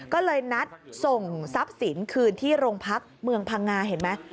ก็เลยนัดส่งทรัพย์สินคืนที่โรงพักเมืองพังงาเห็นไหม